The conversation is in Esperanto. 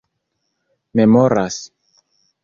memoras